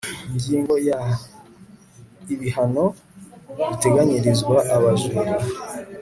ingingo ya ibihano biteganyirizwa abajura